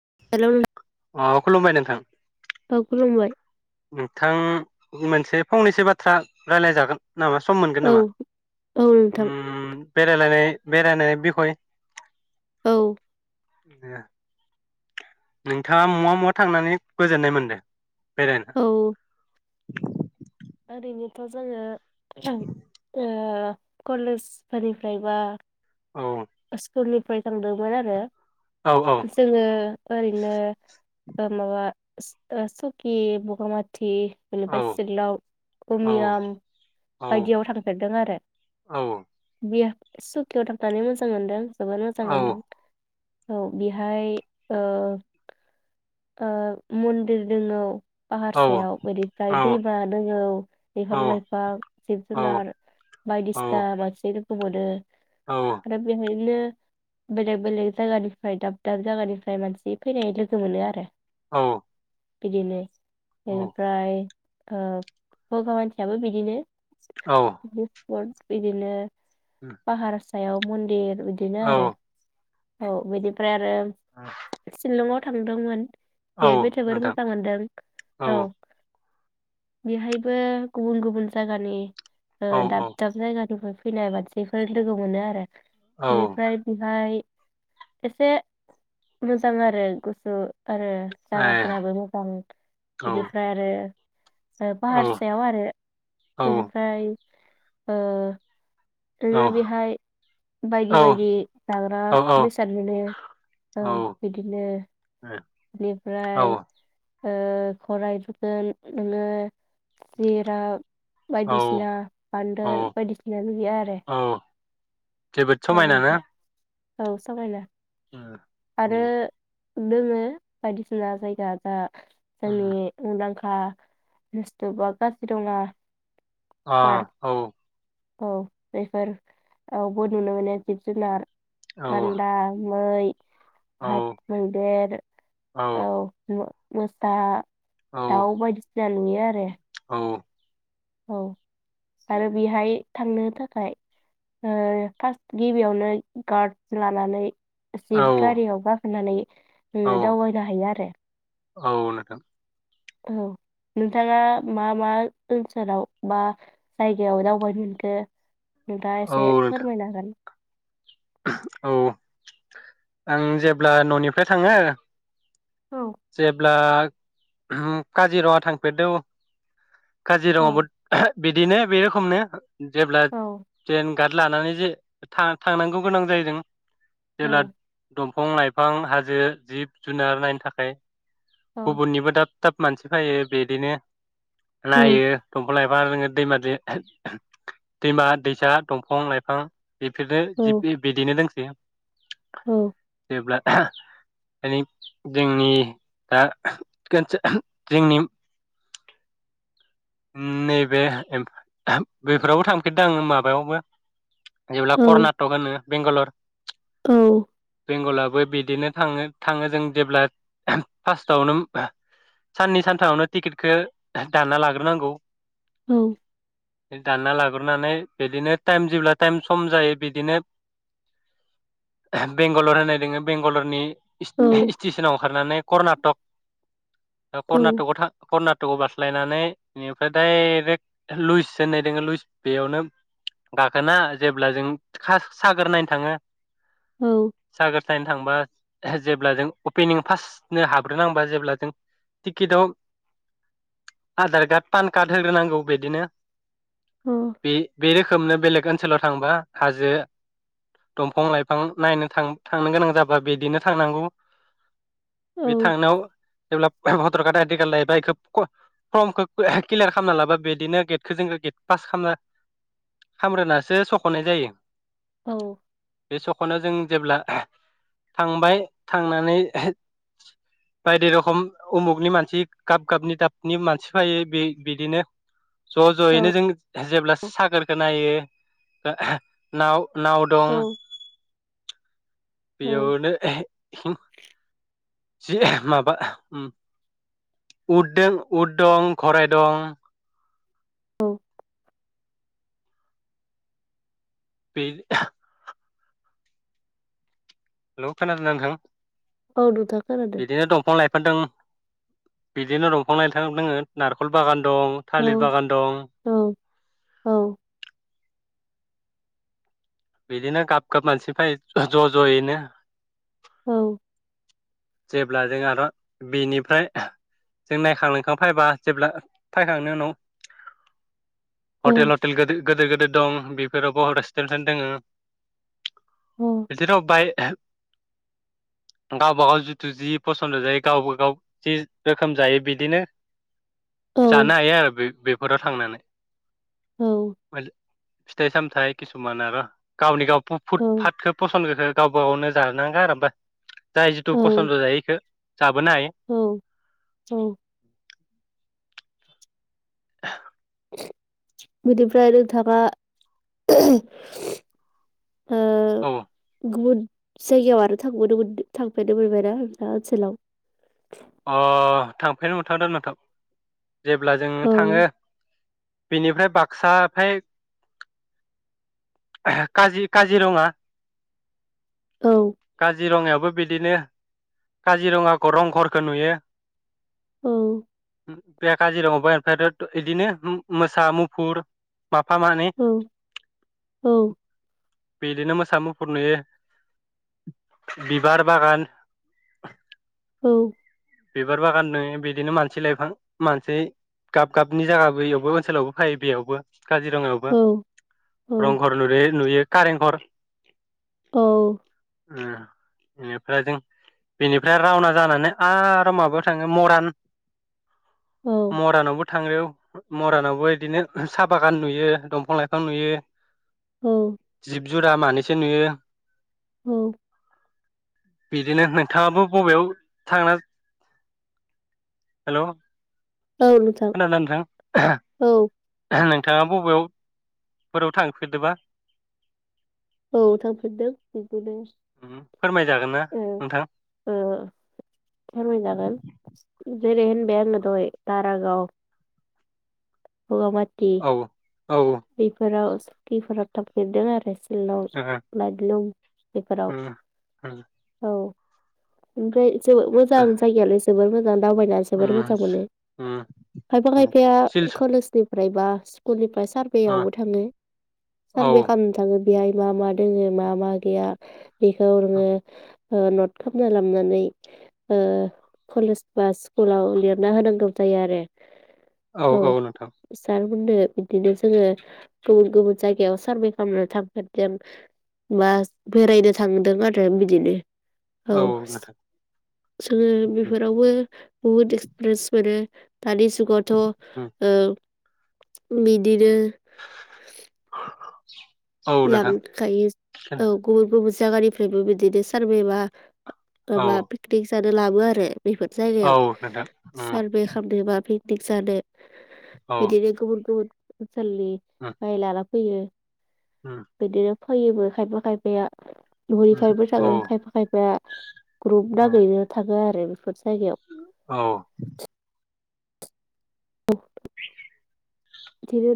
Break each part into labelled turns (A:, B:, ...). A: [unintelligible]
B: अ खुलुमबाय नोंथां
A: औ खुलुमबाय
B: नोंथां मोनसे फंनैसो बाथ्रा रायलाय जागोन नामा सम मोनगोन
A: औ
B: नामा
A: औ नोंथां
B: उम बेरायलायनाय बेरायनाय बिखय
A: औ
B: दे नोंथाङा मुवा मुवा थांनानै गोजोननाय मोनदों बेरायना
A: औ ओरैनोथ' जोङो ओ कलेजफोरनिफ्रायबा
B: औ
A: ओस स्कुलनिफ्राय थांदोंमोन आरो
B: औ औ
A: जोङो ओरैनो ओ माबा स सकि बगामा टि बेनिफ्राय सिलं
B: औ
A: उमियाम
B: औ
A: बायदियाव थांफेरदों आरो
B: औ
A: बेयो सुखि आव थांखालिबो जां मोनदों जोबोद
B: औ
A: मोजां मोनदों। औ बेहाय ओ ओ मन्दिर दङो औ
B: औ
A: पाहारसायाव बिनिफ्राय दैमा दङो बिफां लाइफां जिब
B: औ
A: जुनार
B: औ
A: बायदिसिना मानसे होबावदो आरो बिहायनो बेलेग बेलेग जायगानिफ्राय दाब दाब जायगानिफ्राय मानसि फैनाय लोगो मोनो आ दे
B: औ
A: बिदिनो एनिफ्राय ओ बगा माथियाबो बिदिनो [unintelligible] [unintelligible] बिदिनो पाहार सायाव मन्दिर बिदिनो आरो
B: औ
A: औ बिनिफ्राय आरो शिलंआव थांदोंमोन
B: औ
A: बेहायबो जोबोर
B: नोंथां
A: मोजां मोनदों औ बेहायबो गुबुन गुबुन जायगानि ओ
B: औ औ
A: दाब दाब जायगानि फैनाय मानसिफोर लोगो मोनो आरो
B: औ
A: बेनिफ्राय बेहाय एसे मोजां आरो गुसु आरो
B: ए
A: जागाफोराबो मोजां
B: औ
A: बेनिफ्राय आरो
B: औ
A: फाहारसायाव आरो
B: औ
A: बेनिफ्राय ओ नोङो बेहाय बायदि
B: औ
A: बायदि जाग्रा
B: औ
A: बेसाद मोनो औ बिदिनो
B: औ
A: बेनिफ्राय ओ [unintelligible]
B: औ
A: बायदिसिना
B: औ
A: बान्दोर बायदिसिना नुयो आरो
B: औ जोबोद
A: औ
B: समायना
A: नोंथां
B: ना
A: औ समायना
B: ए औ
A: दोङो बायदिसिना जायगा जा जोंनि
B: उम
A: [unintelligible] [unintelligible]
B: आ
A: पार्क
B: औ
A: औ बेफोर औबो नुनो मोनो जिब जुनार
B: औ
A: गानदा मै
B: औ
A: हाथ मैदेर औ मोसा दाउ बायदिसिना नुयो आरो
B: औ
A: औ आरो बेहाय थांनो थाखाय फार्स्ट गिबियावनो गार्ड लानानै
B: औ
A: जिब गारियाव गाखोनानै
B: औ
A: दावबायनो हायो आरो
B: औ नोंथां
A: औ नोंथाङा मा मा ओनसोलाव बा जायगायाव दावबायनो मोनखो नोंथाङा‌
B: औ
A: एसे
B: नोंथां
A: फोरमायनांगोन
B: औ आं जेब्ला ननिफ्राय थाङो
A: औ
B: जेब्ला काजिरङा थांफेरदों काजिरङायावबो
A: औ
B: बिदिनो बे रोखोमनो जेब्ला
A: औ
B: [unintelligible] रेन गार्ड लानानै जे थांनांगौ गोनां जाहैदों ला
A: औ
B: द [unintelligible] बिफां लाइफां हाजो जिब जुनार नायनो थाखाय
A: औ
B: गुबुननिबो दा थाब मानसि फैयो बिदिनो नायो दंफां लाइफां मा दैमा दैमा-दैसा, दंफां-लाइफां बेफोरनो
A: औ
B: जि इदिनो दोंसै।
A: औ।
B: जोंनि दा जोंनि नैबे बेफोरावबो थांफेरदों आं माबायावबो। जेब्ला कर्नाटक होनो बेंगालर
A: औ।
B: बेंगलाबो बिदिनो थाङो थाङो जों जेब्ला फार्स्टआवनो साननै सानथामावनो टिकेटखौ दाना लागोन। नांगौ।
A: औ
B: दानना ला दाननानै बिदिनो टाइम जेब्ला टाइम सम जायो बिदिनो बेंगालर होननाय दोङो बेंगालरनि
A: औ
B: स्टेसनाव ओंखारनानै कर्नाटक कर्नाटकआव थां तकखौ बास्लायनानै। बेनिफ्राय डाइरेक्ट लुइस होननाय दोङो लुइस बेयावनो गाखोना जेब्ला जों सागोर नायनो थाङो।
A: औ
B: सागोर थायनो थांबा जेब्ला जों अपेनिं फार्स्टनो हाबग्रोनांबा जेब्ला जों टिकेटआव आधार कार्ड पान कार्ड होग्रोनांगौ बिदिनो। बे बे खोमनो बेलेग ओनसोलाव थांबा हाजो दंफां लाइफां नायनो थां-थांनो गोनां जाबा बिदिनो थांनांगौ। बे थांनायाव जेब्ला भटार कार्ड आइदि कार्ड लायोबा एखौ फर्मखौ क्लियार खालामना लाबा बिदिनो गेटखौ जों गेट पास खालाम खालामग्रोनानैसो सख'नाय जायो।
A: औ।
B: खौनो जों जेब्ला थांबाय थांनानै बायदि रखम उमुगनि मानसि गाब गाबनि दाबनि मानसि फाय बे बिदिनो ज'
A: औ
B: ज'यैनो जों जेब्ला सागोरखौ नायो। [unintelligible] नाव नाव दं।
A: औ
B: बेयावनो [unintelligible] जि माबा ओम उद दं उद दं गराय दं। बे [unintelligible] हेलौ खोनादोंना नोंथां?
A: औ नोंथां। खोनादों
B: बिदिनो दंफां-लाइफां दं। बिदिनो दंफां-लाइफां दोङो नारेखल बागान दं
A: औ
B: थालिर बागान दं
A: औ औ
B: बिदिनो गाब गाब मानसि फायो ज' ज'यैनो
A: औ
B: जेब्ला जों आरो बेनिफ्राय जों नायखां लोंखां फायबा जेब्ला फायखांनायनि उनाव
A: औ
B: हटेल हटेल गो दिर गोदिर दं बेफोराव [unintelligible] दोङो बिदि राव बाय गावबा गाव थु जि फसन्द' जायो गावबा गाव जि रोखोम जायो बिदिनो जानो हायो आरो बे बे हराव थांनानै
A: औ
B: [unintelligible] फिथाइ सामथाइ किसुमान आरो गावनि गाव फुटफाटखौ फसन्दखौ गावबा गावनो [unintelligible]
A: औ
B: फसन्द' जायो इखौ जाबोनो हायो
A: औ औ
B: [inaudible]
A: बिदिब्ला नोंथाङा ओ
B: औ
A: गुबुन जायगायाव आरो थांबावनो मोनदो थांफेरनो मोनबायना दा नोंथाङा ओनसोलाव
B: अ थांफेरनो मोन थादो नोंथां जेब्ला जों
A: औ
B: थाङो बेनिफ्राय बाक्सा फाय काजि काजिरङा
A: औ
B: काजिरङायाव बो बिदिनो काजिरङाखो रंघरखो नुयो
A: उम
B: बे काजिरङा [unintelligible] इदिनो मो मोसा मुफुर माफा मानै
A: औ औ
B: बिदिनो मोसा मुफुर नुयो बिबार बागान
A: औ
B: बिबार बागान नो बिदिनो मानसि लाइफां मानसि गाब गाबनि जायगाबो बेयावबो ओनसोलावबो फायो बेयावबो काजिरङायावबो
A: औ औ
B: रंघर नुयो नुयो कारेंघर
A: औ
B: उम एनिफ्राय जों बेनिफ्राय रावना जानानै आरो माबायाव थाङो मरान
A: औ
B: मरानावबो थांनायाव मरानावबो इदिनो साहा बागान नुयो दंफां लाइफां नुयो
A: औ
B: जिब जुरा मानैसो नुयो
A: औ
B: बिदिनो नोंथाङाबो बबेयाव थांना हेलौ
A: औ नोंथां
B: खोनादों ना नोंथां
A: औ
B: [unintelligible] नों थाङा बबेयावफोराव थांफेरदोबा
A: औ थांफिनदों बेखोनो
B: फोरमायजागोन ना
A: ओ
B: नोंथां
A: ओ फोरमायजागोन जरै होनबाय आङो दहाय दारागाव बगामाथि
B: औ औ
A: बेफोराव बिफोराव थाफेरदों आरो शिलं लाइटलुम बेफोराव औ ओमफ्राय जोबो मोजां जायगायालाय जोबोर मोजां दावबायनानै जोबोर मोजां मोनो खायफा खायफाया
B: सिल
A: कलेज फ्रायबा स्कुलनिफ्राय
B: औ
A: सारभेयावबो थाङो
B: औ
A: सारभे खालामनो थाङो बेहाय मा मा दोङो मा मा गैया बेखौनो नट खालामना लालामनानै कलेज बा स्कुलाव लिरना होनांगौ जायो आरो
B: औ औ नोंथां
A: मोननो बिदिनो जोङो गुबुन गुबुन जायगायाव सारभे खालामनो थांफेरदों बा बेरायनो थांदों आरो बिदिनो औ जोङो बेफोरावबो बुहुद एक्सपिरियेन्स मोनो दानि जुगावथ ओ बिदिनो
B: [inaudible] नोंथां
A: लांखायो औ गुबुन गुबुन जायगानिफ्रायबो बिदिनो सारभेबा माबा
B: औ
A: पकनिक जानो लाबो आरो बेफोर
B: औ
A: जायगायाव
B: नोंथां उम
A: सारभे खालामदोंबा बे दिग जादो।
B: औ
A: बिदिनो गुबुन गुबुन सलि
B: उम
A: महलल फैयो
B: उम
A: बिदिनो फैयोबो खायफा खायफाया
B: उम
A: ननिफ्रायबो
B: औ
A: थाङो खायफा खायफा ग्रुप
B: उम
A: नागिरनो थाङोन आरो। लोगोफोरजों
B: औ
A: औ धिरै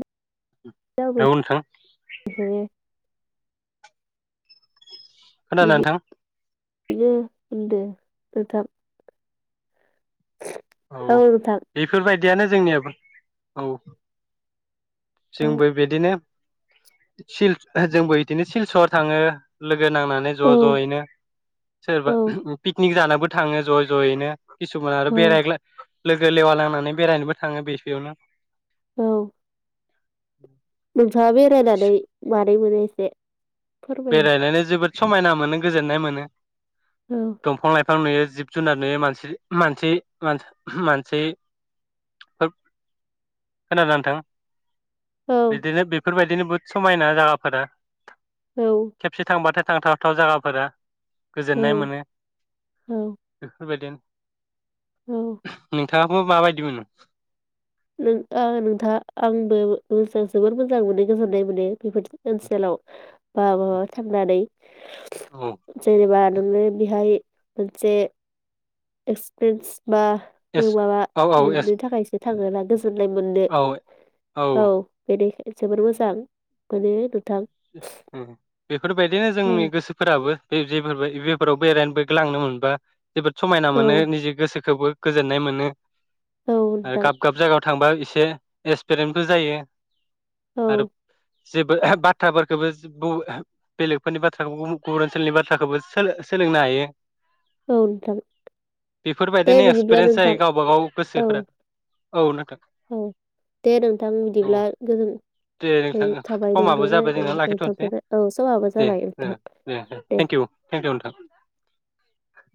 B: औ नोंथां
A: [unintelligible]
B: खोनादों नोंथां
A: बिनो होनदो नोंथां
B: औ बेफोरबायदि यानो जोंनियाबो औ
A: औ
B: जोंबो बिदिनो जोंबो बिदिनो सिलसर थाङो। लो नांनानै ज'
A: औ
B: ज'यैनो सोरबा
A: औ
B: पिकनिक जानो। बो थाङो ज' ज'यैनो। खिसुमान आरो
A: औ
B: बराय लोगो लेवा लांनानै बेरायनोबो थाङो बेसयावनो
A: औ
B: औ
A: मोन थाङा बेरायनानै [unintelligible] मोनो एसे फोरमाय
B: बेरायनानै जोबोद समायना मोनो गोजोननाय मोनो।
A: औ
B: दंफां लाय थां नुयो जिब जुनार नुयो मानसि-मानसि-मान-मानसि फोर खोनादों ना नोंथां?
A: औ
B: बिदिनो बेफोरबाय दिनो बुद समायना जागाफोरा।
A: औ
B: खेबसे थांबाथाय थांथावथाव जागाफोरा।
A: औ
B: गोजोननाय मोनो
A: औ
B: बेफोरबायदिन
A: औ
B: थाङाबो माबायदि मोनो?
A: नो ओ नोंथाङा आंबो गोसोआव जोबोर मोजां मोनो गोजोननाय मोनो बेफोर ओनसोलाव बा बहाबा थांनानै।
B: औ
A: जेनेबा नोङो बेहाय मोनसे एक्सप्रेन्स बा ओ
B: एस
A: माबा
B: औ औ एस
A: मोननो थाखायसो थागोना बेस जनाय मोननो
B: औ
A: औ बेनिखा जोबोर मोजां मोनो बे
B: ओ बेफोरबायदिनो
A: औ
B: जोंनि गोसोफोराबो बे जेफोर बेफोराव बेरायनो ग्लांनोबो मोनबा जोबोद समायना
A: औ
B: मोनो निजे गोसोखोबो। गोजोननाय मोनो
A: औ
B: आरो
A: नोंथां
B: गाब गाब जागा थांबा एसे एक्सपेरेन्टबो जायो।
A: औ
B: आरो जेबो ओ बा थ्राफोरखौबो ज ब ओ बेलेगफोरनि बाथ्राखौ गुबुन गुबुन ओनसोलनि बाथ्राखौबो सो-सोलोंनो हायो।
A: औ नोंथां दे
B: बेफोरबायदिनो
A: बिदिब्ला
B: एक्सपिरियेन्स
A: नोंथां
B: जायो गावबा गाव
A: औ
B: गोसोफोरा औ नोंथां
A: औ दे नोंथां बिदिब्ला
B: औ
A: गोजोन नाय थाबाय नोंजों
B: बो
A: रा
B: जोंना लाखिथ'नसै दे ओ
A: नोंथां
B: ओ
A: दे।
B: थेंकिउ थेंकिउ नोंथां। [inaudible]